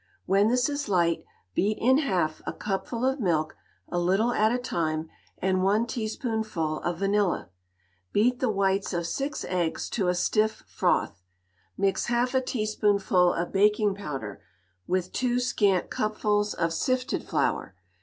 When this is light, beat in half a cupful of milk, a little at a time, and one teaspoonful of vanilla. Beat the whites of six eggs to a stiff froth. Mix half a teaspoonful of baking powder with two scant cupfuls of sifted flour.